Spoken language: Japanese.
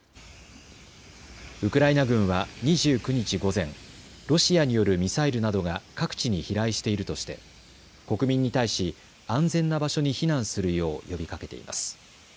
ウクライナ軍は２９日午前ロシアによるミサイルなどが各地に飛来しているとして国民に対し安全な場所に避難するよう呼びかけています。